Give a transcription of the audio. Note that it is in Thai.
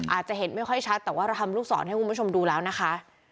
อาจจะเห็นไม่ค่อยชัดแต่ว่าเราทำลูกศรให้คุณผู้ชมดูแล้วนะคะ